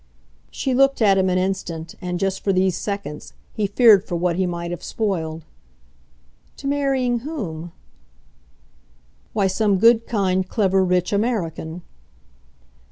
She looked at him an instant, and, just for these seconds, he feared for what he might have spoiled. "To marrying whom?" "Why, some good, kind, clever, rich American."